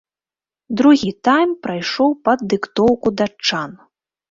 Другі тайм прайшоў пад дыктоўку датчан.